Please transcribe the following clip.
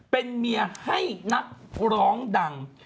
เป็นเมียให้นักร้องดัง